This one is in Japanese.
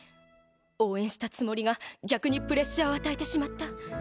応援したつもりが逆にプレッシャーを与えてしまった。